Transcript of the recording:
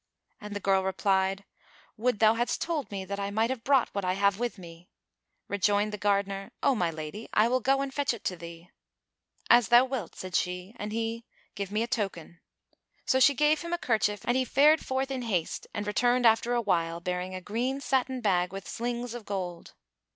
And the girl replied, "Would thou hadst told me, that I might have brought what I have with me!" Rejoined the gardener, "O my lady, I will go and fetch it to thee." "As thou wilt," said she: and he, "Give me a token." So she gave him a kerchief and he fared forth in haste and returned after awhile, bearing a green satin bag with slings of gold.